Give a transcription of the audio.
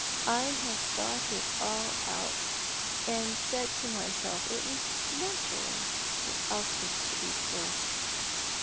I have thought it all out, and said to myself it was natural that Elspeth should be first."